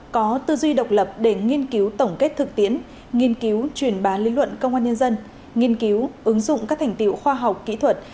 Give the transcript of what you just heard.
có tư duy độc lập để nghiên cứu tổng kết thực tiến nghiên cứu truyền bá lý luận công an nhân dân nghiên cứu ứng dụng các thành tiệu khoa học kỹ thuật